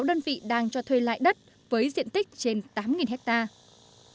sáu đơn vị đang cho thuê lại đất với diện tích trên tám hectare